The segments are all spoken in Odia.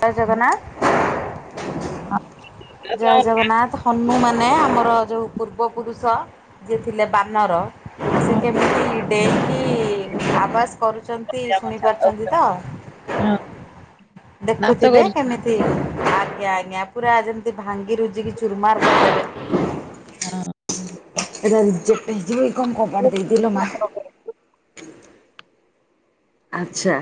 ତାଜଗନା ଜୟ ବାଗ୍ରାଉଣ୍ଡ ଜଗନ୍ନାଥ ହନୁ ମାନେ ଆମର ଯେଉଁ ପୂର୍ବପୁରୁଷ ଯିଏ ଥିଲେ ବାନର ସେ ମ୍ୟୁଜିକ୍ କେମିତି ଡେଇଁକି ଆବାଜ କରୁଛନ୍ତି ଅଛି ଆମ ଛାତ ଶୁଣିପାରୁଛନ୍ତି ଉପରେ। ତ! ହଁ। ନାଚ ଦେଖୁଥିବେ କରୁଛୁ କେମିତି ଆଜ୍ଞା ଆଜ୍ଞା ପୁରା ଯେମିତି ଭାଙ୍ଗି ରୁଜିକ ଚୁରୁମାର୍ କରିଦେବେ ହଁ ଏଟା ରିଜେକ୍ଟ ହେଇଯିବକି? କମ୍ପ କବାଟ ଦେଇ ଦିଏ ଲୋମା। ଆଚ୍ଛା।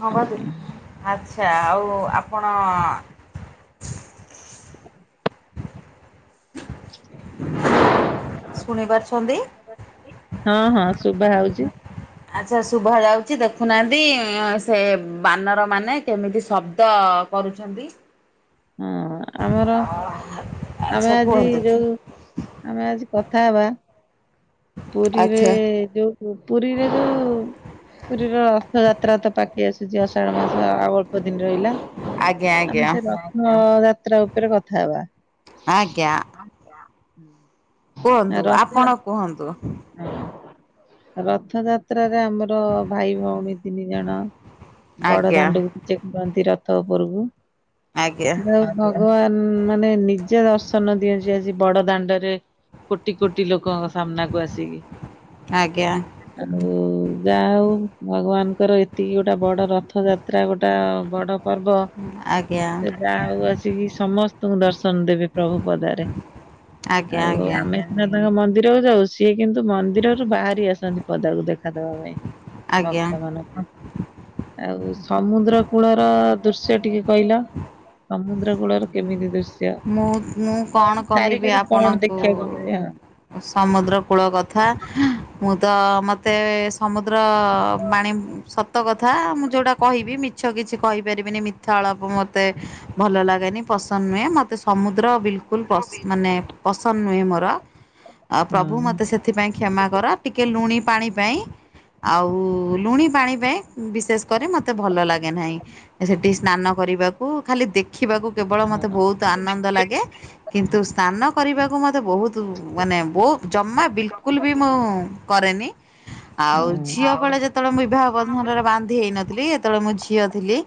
ହଁ ବା ଦେଖୁନ ଆଚ୍ଛା ଆଉ ଆପଣ ଶୁଣିପାରୁଛନ୍ତି? ହଁ ହଁ ଶୁଭା ଯାଉଛି? ଆଚ୍ଛା ଶୁଭା ଯାଉଛି ଦେଖୁନାହାନ୍ତି ଆଃ ସେ ବାନରମାନେ କେମିତି ଶବ୍ଦ କରୁଛନ୍ତି। ହଁ ଆମର ଆମେ ଆଚ୍ଛା ଆଜି କୁହନ୍ତୁ ଯୋଉ ଆମେ ଆଜି କଥା ହବା। ପୁରୀରେ ଯୋଉ ପୁରୀରେ ଯୋଉ ପୁରୀର ରଥଯାତ୍ରା ତ ପାକେଇ ଆସୁଛି ଅଷାଢ ମାସ ଆଉ ଅଳ୍ପ ଦିନ ରହିଲା। ଆଜ୍ଞା ଆଜ୍ଞା ଆମେ ସେ ରଥଯାତ୍ରା ଉପରେ କଥା ହେବା। ଆଜ୍ଞା। କୁହନ୍ତୁ ରଥ ଆପଣ କୁହନ୍ତୁ। ହଁ ରଥଯାତ୍ରା। ରେ ଆମର ଭାଇ ଭଉଣୀ ତିନି ଜଣ ବଡ ଆଜ୍ଞା ଦାଣ୍ଡକୁ ବିଜେ କରନ୍ତି ର ତ ଉପରକୁ ଆଜ୍ଞା ଯା ହଉ ଭଗବାନ ଉଁ ମାନେ ନିଜେ ଦର୍ଶନ ଦିଅନ୍ତି। ଆଜି ବଡ ଦାଣ୍ଡରେ କୋଟି କୋଟି ଲୋକ ସାମ୍ନାକୁ ଆସିକି ଆଜ୍ଞା ଆଉ ଯା ହଉ। ଭଗବାନଙ୍କର ଏତିକି ଗୋଟେ ବଡ ରଥ ଯାତ୍ରା ଗୋଟା ବଡ ପର୍ବ ଆଜ୍ଞା ଯାହା ହଉ ଆସିକି ସମସ୍ତଙ୍କୁ ଦର୍ଶନ ଦେବେ। ପ୍ରଭୁ ପଦାରେ ଆଜ୍ଞା ଆଉ ଆଜ୍ଞା ଆମେ ସେନା ତାଙ୍କ ମନ୍ କୁ ଯାଉଚି କିନ୍ତୁ ମନ୍ଦିରରୁ ବାହାରି ଆସନ୍ତି ପଦାକୁ ଦେଖାଦବା ପାଇଁ। ଆଜ୍ଞା ଭକ୍ତ ମାନଙ୍କ ଆଉ ସମୁଦ୍ର କୂଳର ଦୃଶ୍ୟ ଟିକେ କହିଲ ସମୁଦ୍ର ଦ୍ର କୂଳର କେମିତି ଦୃଶ୍ୟ ମୁଁ ମୁଁ କଣ କହିବି [unintelligible] କଣ ଆପଣଙ୍କୁ ଦେଖିବାକୁ ମିଳେ ଆଉ? ସମୁଦ୍ର କୂଳ କଥା ମୁଁ ତ ମତେ ସମୁଦ୍ର ର ବାଣୀ ସତ ସତ କଥା ମୁଁ ଯୋଉଟା କହିବି ମିଛ କିଛି କହିପାରିବିନି ମିଥାଆଳାପ ମତେ ଭଲ ଲାଗେନି। ପସନ୍ଦ ନୁହେଁ ମତେ ସମୁଦ୍ର ବିଲକୁଲ ପସ ମାନେ ପସନ୍ଦ ନୁହେଁ ମୋର। ଆ ପ୍ରଭୁ ହଁ ମତେ ସେଥିପାଇଁ କ୍ଷମା କର ଟିକେ ଲୁଣି ପାଣି ପାଇଁ ଆଉ ଲୁଣି ପାଣି ପାଇଁ ବିଶେଷ କରେ ମତେ ଭଲ ଲାଗେ ନାହିଁ ସେଠି ସ୍ନାନ କରିବାକୁ ଖାଲି ଦେଖିବାକୁ କେବଳ ମତେ ହଁ ବହୁତ ଆନନ୍ଦ ଲାଗେ କିନ୍ତୁ ସ୍ନାନ କରିବାକୁ ମ ମତେ ବହୁତ ମାନେ ବହୁ ଜମା ବିଲକୁଲ ବି ମୁଁ କରେନି। ହଁ ଆଉ ଝିଅ ଆଉ ବଳେ ଯେତେବେଳେ ମୁଁ ବିବାହ ବନ୍ଧନରେ ବାନ୍ଧି ହେଇନଥିଲି ଯେତେବେଳେ ମୁଁ ଝିଅ ଥିଲି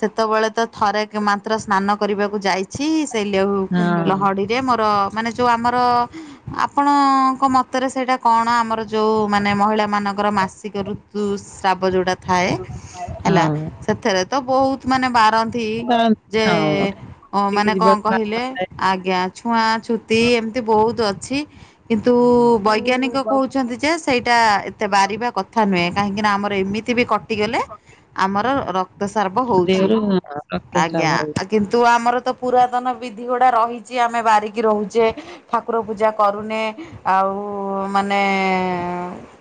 ସେତେବେଳେ ତ ଥରେକେ ମାତ୍ର ସ୍ନାନ କରିବାକୁ ଯାଇଛି। ସେଲେହୁ ସେମିତି ଲହଡିରେ ମୋର ମାନେ ଯୋଉ ଆମର ଆ ଆପଣଙ୍କ ମତରେ ସେଇଟା କଣ ଆମର ଯେଉଁ ମାନେ ମହିଳାମାନଙ୍କର ମାସିକ ଋତୁ ସ୍ରାବ ଯୋଉଟା ଥାଏ ହଁ ହେଲା ହଁ ସେଥିରେ ତ ବହୁତ ମାନେ ବା ରନ୍ତି ବା- ଯେ ହଁ ଉଠିକି ଓ ମାନେ କଣ ଯିବାକୁ କହିଲେ ବାରମ୍ବାର ଆଜ୍ଞା ଛୁଆ ଛୁତି ଏମିତି ବହୁତ ଅଛି। କିନ୍ତୁ ହଁ ବୈଜ୍ଞାନିକ କହୁଛନ୍ତି ଯେ ସେଇଟା ଏତେ ବାରିବା କଥା ନୁହେଁ। କାହିଁକିନା ଆମର ଏମତିବି କ କଟିଗଲେ ଆମର ରକ୍ତସ୍ରାବ ହଉଛି ଦେହରୁ ରକ୍ତସ୍ରାବ ହଉଛି [unintelligible] କିନ୍ତୁ ଆମର ତ ପୁରାତନ ବିଧି ଗୁଡା ରହିଛି, ଆମେ ବାରିକି ରହୁଛେ, ଠାକୁର ପୂଜା କରୁନେ ଆଉ ମାନେ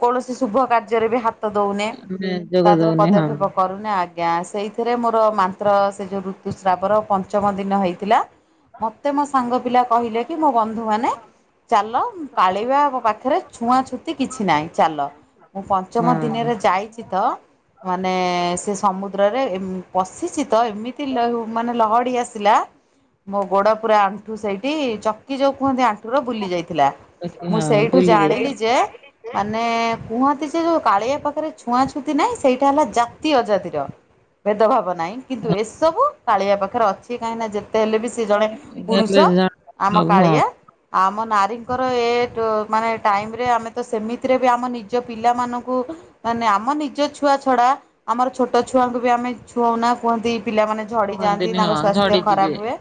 କୌଣସି ଶୁଭ କାର୍ଯ୍ୟରେ ବି ହାତ ହାତ ଦଉନେ, ମାନେ ଯୋଗ ତା ଦେହରେ ଦଉନି ହଁ ପଦକ୍ଷେପ କରୁନେ, ଆ ଆଜ୍ଞା। ସେଇଥିରେ ମୋର ମାତ୍ର ସେ ଯୋଉ ଋତୁସ୍ରାବର ପନ୍ ପଞ୍ଚମ ଦିନ ହେଇଥିଲା। ମତେ ମୋ ସାଙ୍ଗ ପିଲା କହିଲେ କି, ମୋ ବନ୍ଧୁ ମାନେ ଚାଲ, କାଳିି ବାଆବ ପାଖରେ ଛୁଆଁ ଛୁତି କିଛି ନାହିଁ, ଚାଲ। ମୁଁ ପଞ୍ଚମ ହଁ। ଦିନେରେ ଯାଇଚି ତ ମାନେ ସେ ସମୁଦ୍ରରେ ଏମ୍ ପଶିଚି ତ, ଏମିତି ଲ ମାନେ ଲହଡି ଆସିଲ ଲା, ମୋ ଗୋଡ ପୁରା ଆଣ୍ଠୁ ସେଇଠି ଚକି ଯୋଉ କୁହନ୍ତି ଆଣ୍ଠୁର ବୁଲି ଯାଇଥିଲା। ବାକି ମୁଁ ହଁ ସେଇଠୁ ବୁଲି ଜାଣିଲି ଯେ, ଯାଇଛନ୍ତି। ମାନେ କୁହନ୍ତି ସେ ଯୋଉ କାଳିଆ ପାଖରେ ଛୁଆଁ ଛୁତି ନାହିଁ ସେଇଟା ହେଲା ଜାତି ଅଜାତିର, ଭେଦଭାବ ନାହିଁ କିନ୍ତୁ ଏସବୁ କାଳିଆ ପାଖରେ ଅଛି। ସେ କାହିଁକିନା ଯେତେ ହେଲେବି ସେ ଜଣେ ପୁରୁଷ, ଆମ ହଁ କାଳିଆ। ଆମ ନାରୀଙ୍କର ଏ ଯୋ ମାନେ ଟାଇମରେ ଆମେ ତ ସେମିତିରେ ବି ଆମ ନିଜ ପିଲାମାନଙ୍କୁ ମାନେ ଆମ ନିଜ ଛୁଆ ଛଡା, ଆମର ଛୋଟଛୁଆଙ୍କୁ ବି ଆମେ ଛୁ ଛୁଉଁନା, କୁହନ୍ତି ପିଲାମାନେ ଝଡ଼ିଯାଆନ୍ତି, କୁହନ୍ତିନି ହଁ ତାଙ୍କ ସ୍ୱାସ୍ଥ୍ୟ ଖରାପ ଝଡିଯିବେ ହୁଏ।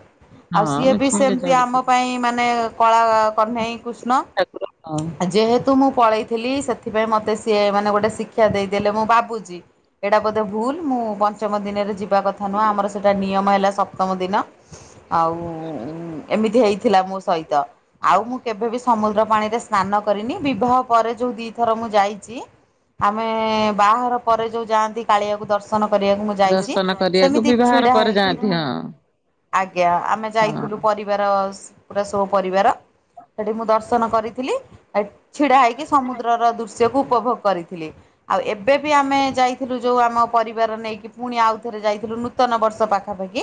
ଆଉ ହଁ ସିଏ ବି ମିଛୁଇଁଲେ ସେମତି ଆମ ଝଡିଯିବେ। ପାଇଁ ମାନେ ଏ କଳା କହ୍ନେଇ କୃଷ୍ଣ। ଠାକୁର ହଁ ଆ ଯେହେତ ତୁ ମୁଁ ପଳେଇଥିଲି, ସେଥିପାଇଁ ମତେ ସିଏ ମାନେ ଗୋଟେ ଶିକ୍ଷା ଦେଇଦେଲେ ମୁଁ ଭାବୁଛି। ଏଇଟା ବୋଧେ ଭୁଲ, ମୁଁ ପଞ୍ଚମ ଦିନରେ ଯିବି ଯିବା କଥା ନୁହଁ, ଆମର ସେଇଟା ନିୟମ ହେଲା ସପ୍ତମ ଦିନ। ଆଉ ଏମି ଥି ହେଇଥିଲା ମୋ ସହିତ। ଆଉ ମୁଁ କେଭେ ବି ସମୁଦ୍ର ପାଣିରେ ସ୍ନାନ କରିନି, ବିବାହ ପରେ ଯୋଉ ଦିଥର ମୁଁ ଯାଇଚି ଆମେ ବାହାଘର ପରେ ଯୋଉ ଯାଆନ୍ତି, କାଳିଆକୁ ଦର୍ଶନ କରିଆକୁ ମୁଁ ଯାଇଛି, ଦର୍ଶନ କରିବାକୁ ସେମିତି ବିବାହର ଛିଡା ପରେ ହେଇକି। ଯାଆନ୍ତି ହଁ। ଆଜ୍ଞା। ଆମେ ହଁ ଯାଇଥିଲୁ ପରିବାର ସ ପୁରା ସବୁ ପରିବାର, ସେଠି ମୁଁ ଦର୍ଶନ କରିଥିଲି ହେଇଟି ଛିଡା ହେଇକି ସମୁଦ୍ରର ଦୃଶ୍ୟକୁ ଉପଭୋଗ କରିଥିଲି। ଆଉ ଏବେ ବି ଆମେ ଯାଇଥିଲୁ ଯୋଉ ଆମ ପରିବାର ନେଇକି ପୁଣି ଆଉଥରେ ଯାଇଥିଲୁ ନୂତନ ବର୍ଷ ପାଖାପାଖି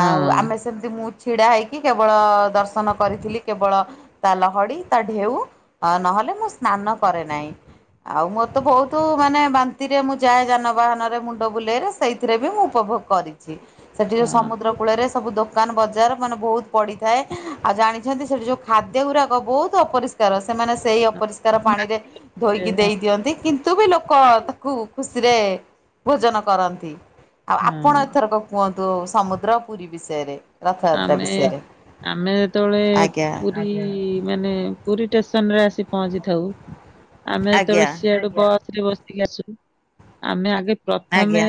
ହଁ ଆଉ ଆମେ ସେମତି ମୁଁ ଛିଡ଼ା ହେଇକି, କେବଳ ଦର୍ଶନ କରିଥିଲି କେବଳ ତା ଲହଡି, ତା ଢେଉ। ନହେଲେ ମୁଁ ସ୍ନାନ କରେ ନାହିଁ। ଆଉ ମୋର ତ ବହୁତୁ ମାନେ ବାନ୍ତିରେ ମୁଁ ଯାଏ ଯାନବାହନରେ ମୁଣ୍ଡ ବୁଲେଇରେ, ସେଇଥିରେ ବି ମୁଁ ଉପ ଭୋଗ କରିଚି। ସେଠି ଯୋଉ ସମୁଦ୍ର ହଁ। କୂଳରେ ସବୁ ଦୋକ୍ ଦୋକାନ ବଜାର ମାନେ ବହୁତ ପଡିଥାଏ। ଆଉ ଜାଣିଛନ୍ତି ସେଠି ଯୋଉ ଖାଦ୍ୟ ଗୁରାକ ବହୁତ ଅପରିଷ୍କାର। ସେମାନେ ସେହି ଅପରିଷ୍କାର ପାଣିରେ ଧୋଇକି ଦେଇଦିଅନ୍ତି। କିନ୍ତୁ ନ୍ତୁ ବି ଲୋକ ତାକୁ ଖୁସିରେ ଭୋଜନ କରନ୍ତି। ଆଉ ଆପଣ ହଁ ଏଥରକ କୁହନ୍ତୁ, ସମୁଦ୍ର ପୁରୀ ବିଷୟରେ, ରଥଯାତ୍ରା ଆମେ ବିଷୟରେ। ଆମେ ଯେତେବଳେ ଆଜ୍ଞା ପୁରୀ ମାନେ ପୁରୀ ଟେସନରେ ଆସି ପହଞ୍ଚି ଥାଉ, ଆମେ ଆଜ୍ଞା ଯେତେବେଳେ ସିଆଡୁ ବସରେ ବସିକି ଆସୁ, ଆମେ ଆଗେ ପ୍ରଥମେ, ଆଜ୍ଞା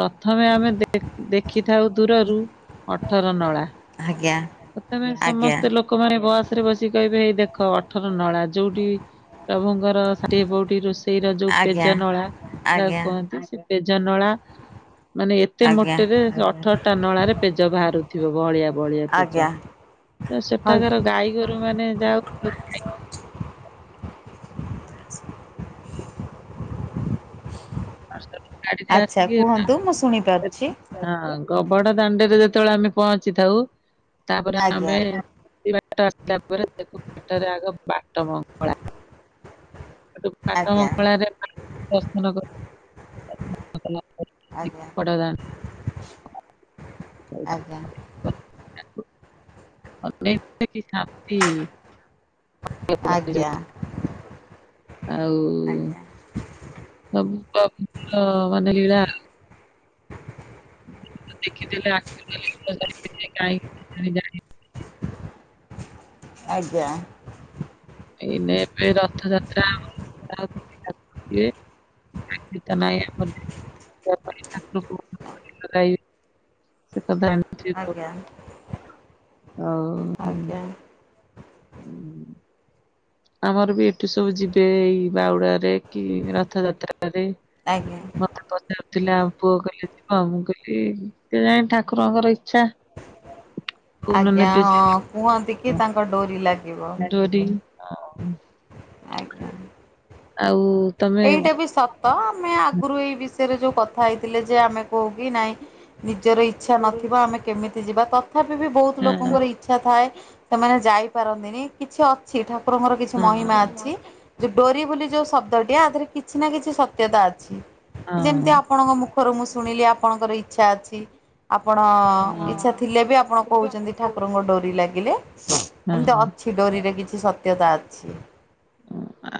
ପ୍ରଥମେ ଆମେ ଦେ ଦେଖିଥାଉ ଦୂରରୁ ଅଠର ନଳା। ଆଜ୍ଞା ପ୍ରଥମେ ଆଜ୍ଞା ସମସ୍ତେ ଲୋକମାନେ ବସରେ ବସିକି କହିବେ, ଏଇ ଦେଖ ଅଠର ନଳା ଯୋଉଠି ପ୍ରଭୁଙ୍କର ଷାଠିଏ ପଉଟି ରୋଷେଇର ଯୋଉ ପେଜ ଆଜ୍ଞା ନଳା, ଯାହାକୁ ଆଜ୍ଞା କୁହନ୍ତି ସିଏ ପେଜ ନଳା। ମାନେ ଏତେ ଆଜ୍ଞା ମୋଟରେ ସେ ଅଠରଟା ନଳାରେ ପେଜ ବାହାରୁଥିବ ବହଳିଆ ବହଳିଆ ପେଜ। ଆଜ୍ଞା ତ ହଇ ସେଠାକାର ଗାଈଗୋରୁ ମାନେ ଯାହଉ ସବୁ ଖାଇକି [inaudible] ପାଞ୍ଚଟା ବେ ଗାଡିରେ ଆଚ୍ଛା ଆସିକି କୁହନ୍ତୁ ମୁଁ ଶୁଣିପାରୁଛି। [unintelligible] କବଡ ଦାଣ୍ଡରେ ଯେତେବେଳେ ଆମେ ପହଞ୍ଚିଥାଉ, ତାପରେ ଆଜ୍ଞା ଆମେ [unintelligible] [unintelligible] ଆଗ ବାଟ ମଙ୍ଗଳା। ହେଠୁ ବାଟ ଆଜ୍ଞା ମଙ୍ଗଳା ରେ ଦର୍ଶନ କଲୁ। ଆଜ୍ଞା [unintelligible] ଆଜ୍ଞା। ଆଜ୍ଞା ଆଜ୍ଞା [unintelligible] [unintelligible] ଆଉ ପ୍ରଭୁଙ୍କ [unintelligible] ମାନେ ଲିିଳା ଦେଖିଦେଲେ ଆଖିରୁ ଖାଲି ଲୁହ। [unintelligible] [inaudible] ଆଜ୍ଞା। ଏଇ ନେ ଏବେ ରଥଯାତ୍ରା। [unintelligible] [unintelligible] ଆଜ୍ଞା [unintelligible] ଆଉ ଉଁ, ଆମର ବି ଏଠି ସବୁ ଯିବେ ଏଇ ବାହୁଡ଼ା ରେ। କି ରଥଯାତ୍ରା ରେ। ଆଜ୍ଞା ଆଜ୍ଞା ମତେ ପଚାରୁଥିଲା ଆମ ପୁଅ କହିଲା ମୁଁ କହିଲି କେଜାଣି ଠାକୁରଙ୍କର ଇଚ୍ଛା। କୋଉଦିନ ଆଜ୍ଞା ନେବେ ସେ ହଁ କୁହନ୍ତି କି ତାଙ୍କ ଡୋରି ଲାଗିବ। ହଁ। ଆଜ୍ଞା। ଆଉ ତମେ ଏଇଟା ବି ସ ତ ଆମେ ଆଗରୁ ଏଇ ବିଷୟରେ ଯୋଉ କଥା ହେଇଥିଲେ ଯେ ଆମେ କହୁ କି ନାଇଁ ନିଜର ଇଚ୍ଛା ନଥିବ ଆମେ କେମିତି ଯିବା। ତଥାପି ବି ବହୁତ ହଁ ଲୋକଙ୍କର ଇଚ୍ଛା ଥାଏ ସେମାନେ ଯାଇପାରନ୍ତିନି। କିଛି ଅଛି ଠାକୁରଙ୍କର କିଛି ହଁ ମହିମା ଅଛି। ଯେ ଡୋରି ବୋଲି ଯୋଉ ଶବ୍ଦଟିଏ ଆ ଦିହରେ କିଛି ନା କିଛି ସତ୍ୟତା ଅଛି। ହଁ ଯେମିତି ଆପଣଙ୍କ ମୁ ମୁଁ ଶୁଣିଲି ଆପଣଙ୍କର ଇଚ୍ଛା ଅଛି। ଆପଣ ହଁ ଇଚ୍ଛା ଥିଲେ ବି ଆପଣ କହୁଚନ୍ତି ଠାକୁରଙ୍କ ଡୋରି ଲାଗିଲେ ଏମିତି ହଁ ଅଛି ଡୋରିରେ କିଛି ସତ୍ୟତା ଅଛି।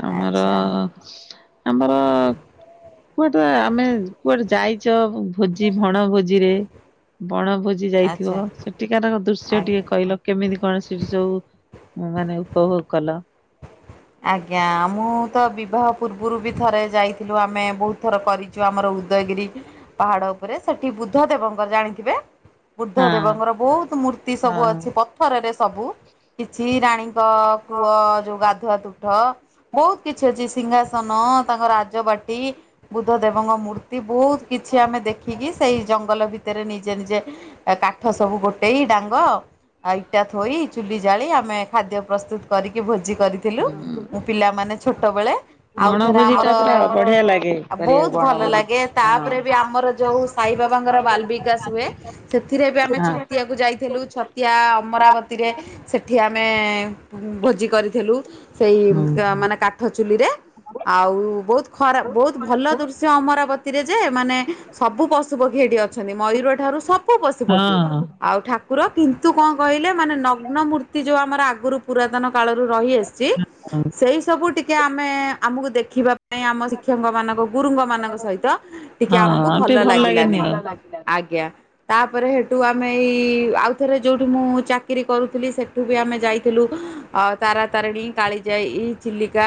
ଆମର ଆଚ୍ଛା ଆମର କୁଆଡେ ଆମେ କୁଆଡେ ଯାଇଚ ଭୋଜି ବଣ ଭୋଜିରେ ବଣ ଭୋଜି ଆଚ୍ଛା ଯାଇଥିବ, ସେଠିକାର ଦୃଶ୍ୟ ଆଜ୍ଞା। ଟିକେ କହିଲ କେମିତି କଣ ସେଠି ସବୁ ମାନେ ଉପଭୋଗ କଲ। ଆଜ୍ଞା ମୁଁ ତ ବି ବିବାହ ପୂର୍ବରୁ ବି ଥରେ ଯାଇଥିଲୁ ଆମେ ବହୁତ ଥର କରିଚୁ ଆମର ଉଦୟଗିରି ପାହାଡ଼ ଉପରେ। ସେ ସେଠି ବୁଦ୍ଧ ଦେବଙ୍କର ଜାଣିଥିବେ। ବୁଦ୍ଧ ହଁ। ଦେବଙ୍କର ବହୁତ ମୂର୍ତ୍ତି ସବୁ ଅଛି ହଁ। ପଥରରେ ସବୁ। କିଛି ରାଣୀ ଙ୍କ ପୁଅ ଗାଧୁଆ ତୁଠ ବହୁତ କିଛି ଅଛି ସିଂହାସନ ତାଙ୍କ ରାଜବାଟି ବୁଧ ଦେବ ଦେବଙ୍କ ମୂର୍ତ୍ତି ବହୁତ କିଛି ଆମେ ଦେଖିକି ସେଇ ଜଙ୍ଗଲ ଭିତ ଭିତରେ ନିଜେ ନିଜେ କାଠ ସବୁ ଗୋଟେଇ ଡାଙ୍ଗ ଆଉ ଇଟା ଥୋଇ ଚୁଲି ଜାଳି ଆମେ ଖାଦ୍ୟ ପ୍ରସ୍ତୁତ କରିକି ଭୋଜି କରିଥିଲୁ। ହୁଁ, ମୁଁ ପିଲାମାନେ ଛୋଟବେଳେ। ଆଉଥରେ ବଣଭୋଜି ଆମର, ଟା ପୁରା ବଢିଆ ଲାଗେ ଆ ବହୁତ କରିବାକୁ ଭଲ ବଣଭୋଜି ଲାଗେ ହଁ। ତାପରେ ବି ଆମର ଯୋଉ ସାଇ ବାବାଙ୍କର ବାଲ ବିକାଶ ହୁଏ, ସେଥିରେ ବି ଆମେ ହଁ। ଛତିଆକୁ ଯାଇଥିଲୁ ଛତିଆ ଅମରାବତରେ ସେ ଠି ଆମେ ଭୋଜି କରିଥିଲୁ ସେଇ ହୁଁ ମାନେ କାଠ ଚୁଲିରେ। ଆଉ ବହୁତ ଖରା ବହୁତ ଭଲ ଦୃଶ୍ୟ ଅମରାବତୀରେ ଯେ ମାନେ ସବୁ ପଶୁ ପକ୍ଷୀ ହେଠି ଅଛନ୍ତି। ମୟୂର ଠାରୁ ସବୁ ପଶୁପକ୍ଷୀ ହଁ ଆଉ ଠାକୁର କିନ୍ତୁ କ କହିଲେ ମାନେ ନଗ୍ନ ମୂର୍ତ୍ତି ଯୋଉ ଆମର ଆ ଆଗରୁ ପୁରାତନ କାଳରୁ ରହି ଆସିଚି, ସେଇ ସବୁ ଟିକେ ଆମେ ଆମକୁ ଦେଖି ସେ ପାଇଁ ଆମ ଶିକ୍ଷକ ମାନଙ୍କ ଗୁରୁଙ୍କ ମାନଙ୍କ ସହିତ ଟିକେ ଆମକୁ ହଁ ଭଲ ଟିକେ ଲାଗେନି ଲାଗିଲାନି। ଆଉ। ଆଜ୍ଞା। ତାପରେ ହେଟୁ ଆମେ ଏଇ ଆଉଥରେ ଯୋଉଠି ମୁଁ ଚାକିରି କରୁଥିଲି ସେଠୁ ବି ଆମେ ଯାଇଥିଲୁ। ଅ, ତାରାତାରିଣୀ, କାଳିଜାଇ, ଚିଲି କା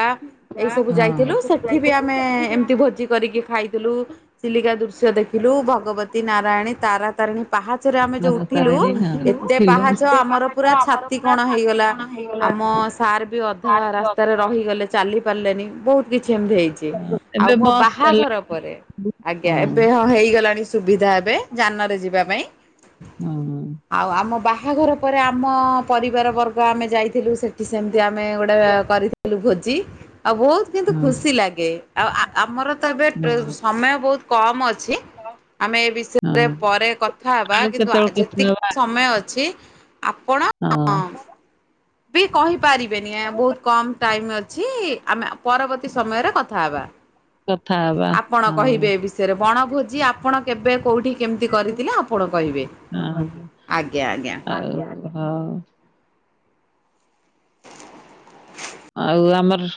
ଏଇ ସବୁ ଯାଇଥିଲୁ। ହଁ। ସେଠି ବି ଆମେ ଏମିତି ଭୋଜି କରିକି ଖାଇଥିଲୁ। ଚିଲିକା ଦୂ ଦୃଶ୍ୟ ଦେଖିଲୁ ଭଗବତୀ, ନାରାୟଣୀ, ତାରାତାରିଣୀ ପାହାଚରେ ଆମେ ଯୋଉ ଉଠିଲୁ ତାରାତାରିଣୀ ହଁ ଏତେ ଉଠିଲୁ। ପାହାଚ ଆମର ପୁରା ଛାତି କଣ ହେଇଗଲା। ଆମ ସାର୍ ବି ଅଧା ରାସ୍ତାରେ ରହିଗଲେ ଚାଲି ପାରିଲେନି। ବହୁତ କି ସେମତି ହେଇଛି। ଆଉ ଏବେ ମୋ ବସ୍ ବାହାଘର ଚାଲିଲାଣି। ପରେ, ଆଜ୍ଞା ଏବେ ହଁ ହେଇଗଲାଣି ସ ସୁବିଧା ହେବେ ଯାନରେ ଯିବା ପାଇଁ। ହଁ। ଆଉ ଆମ ବାହାଘର ପରେ ଆ ମ ପରିବାର ବର୍ଗ ଆମେ ଯାଇଥିଲୁ ସେ ଠି ସେମତି ଆମେ ଗୋଟେ କରିଥିଲୁ ଭୋଜି। ଆଉ ବହୁତ କିନ୍ତୁ ହଁ ଖୁସି ଲାଗେ। ଆଉ ଆ ଆମ ମୋର ତ ଏବେ ଟ୍ରେ ହଁ ସମୟ ବହୁତ କମ୍ ଅଛି। ଆମେ ଏ ବିଷୟରେ ହଁ ପରେ କଥା ହବା। ଆଉ କିନ୍ତୁ ଆ, କେତେବେଳେ କଥା ଯେତିକି ହବା ସମୟ ଅଛି ଆପଣ ହଁ ବି କହିପାରିବେନି। ଏଁ, ବହୁତ କମ ଟାଇମ୍ ଅ ଛି ଆମେ ପରବର୍ତ୍ତୀ ସମୟରେ କଥା ହେବା। କଥା ହବା ଆପଣ ହଁ କହିବେ ଏ ବିଷୟରେ। ବଣଭୋଜି ଆପଣ କେବେ କୋଉଠି କେମିତି କରିଥିଲେ ଆପଣ କହିବେ? ଓହୋ, ଆଜ୍ଞା, ଆଜ୍ଞା ହଁ। ଆଉ ଆମର